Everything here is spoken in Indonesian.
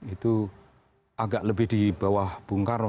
itu agak lebih di bawah bung karno